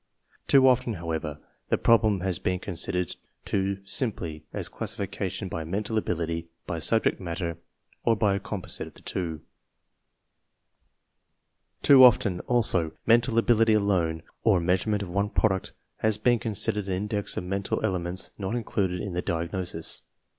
Too often, however, the problem has been considered too simply as classification by mental abil ity, by subject matter, or by a composite of the two. Too often, also, mental ability alone or measurement of one product has been considered an index of mental ele ments not included in the diagnosis.